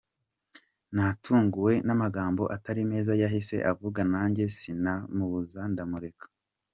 Natunguwe n'amagambo atari meza yahise avuga nanjye sinamubuza ndamureka.